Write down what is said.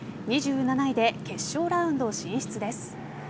２７位で決勝ラウンド進出です。